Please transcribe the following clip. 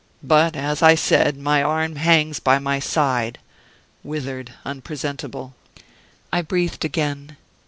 But, as I said, my arm hangs by my side withered, unpresentable." I breathed again.